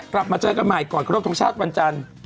กลับมาเจอกันใหม่ก่อนครบทรงชาติวันจันทร์